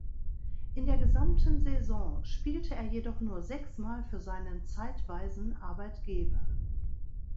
In der gesamten Saison spielte er jedoch nur sechsmal für seinen zeitweisen Arbeitgeber.